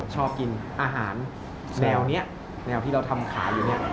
ชอบกินอาหารแนวนี้แนวที่เราทำขายอยู่เนี่ย